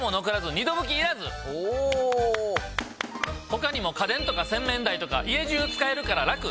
他にも家電とか洗面台とか家じゅう使えるからラク！